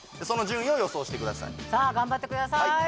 その順位を予想してくださいさあ頑張ってください